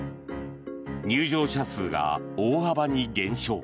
入場者数が大幅に減少。